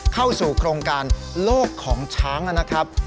เข้าสู่โครงการโลกของช้างนะครับ